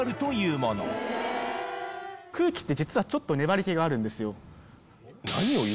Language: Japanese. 空気って実はちょっと粘り気があるんですよ